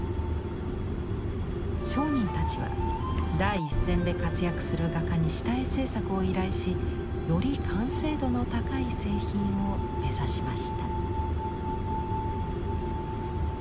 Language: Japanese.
商人たちは第一線で活躍する画家に下絵制作を依頼しより完成度の高い製品を目指しました。